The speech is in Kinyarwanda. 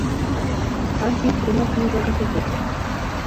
Hafi yikiremwa cyiza gute koko